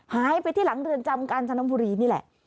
หายไปที่หลังเรือนจำกาญจนบุรีนี่แหละ